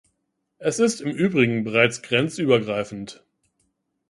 Es ist im Übrigen bereits grenzübergreifend.